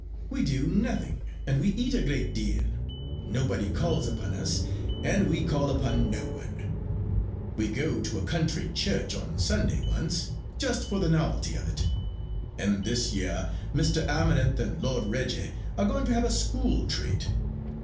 We do nothing, and we eat a great deal. Nobody calls upon us, and we call upon no one. We go to a country church on Sunday once, just for the novelty of it; and this year Mr. Amarinth and Lord Reggie are going to have a school treat.